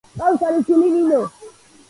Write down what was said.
ჰყავს ქალიშვილი ნინო.